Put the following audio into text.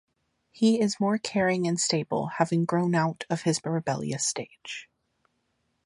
He is more caring and stable, having grown out of his rebellious stage.